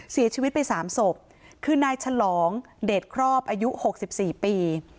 เสียชีวิตไป๓ศพคือนายฉลองเดชครอบอายุ๖๔ปี